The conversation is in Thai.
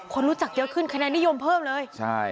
คนรู้จักเยอะขึ้นคะแนนนิยมเพิ่มเลยใช่